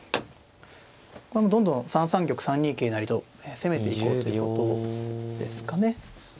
どんどん３三玉３二桂成と攻めていこうということですかね。